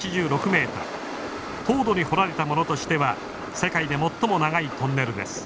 凍土に掘られたものとしては世界で最も長いトンネルです。